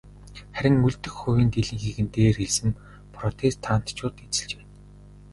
Харин үлдэх хувийн дийлэнхийг нь дээр хэлсэн протестантчууд эзэлж байна.